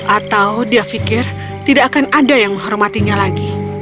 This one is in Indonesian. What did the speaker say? atau dia pikir tidak akan ada yang menghormatinya lagi